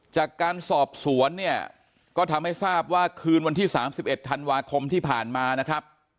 จากการสอบสวนเนี่ยก็ทำให้ทราบว่าคืนวันที่๓๑ธันวาคมที่ผ่านมานะครับ